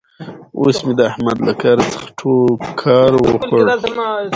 اوس مې د احمد له کار څخه ټوکار وخوړ.